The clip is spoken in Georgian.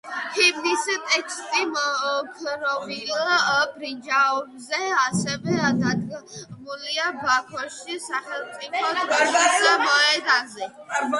ჰიმნის ტექსტი მოოქროვილ ბრინჯაოზე ასევე დადგმულია ბაქოში სახელმწიფო დროშის მოედანზე.